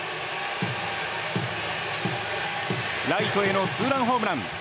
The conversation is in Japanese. ライトへのツーランホームラン。